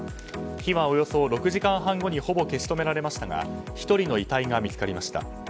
火はおよそ６時間半後にほぼ消し止められましたが１人の遺体が見つかりました。